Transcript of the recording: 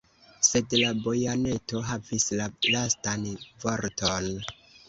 Sed la bajoneto havis la lastan vorton.